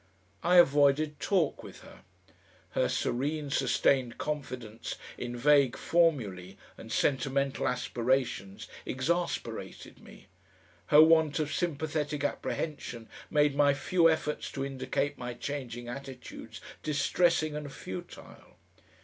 I avoided talk with her. Her serene, sustained confidence in vague formulae and sentimental aspirations exasperated me; her want of sympathetic apprehension made my few efforts to indicate my changing attitudes distressing and futile.